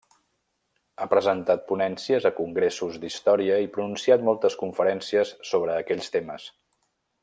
Ha presentat ponències a congressos d’història i pronunciat moltes conferències sobre aquells temes.